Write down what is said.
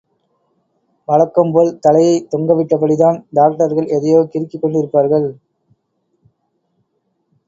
வழக்கம்போல் தலையைத் தொங்கவிட்டபடிதான் டாக்டர்கள் எதையோ கிறுக்கிக் கொண்டிருப்பார்கள்.